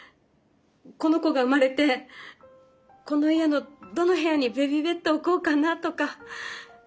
この子が生まれてこの家のどの部屋にベビーベッドを置こうかなとか。